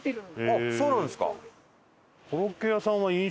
あっそうなんですか。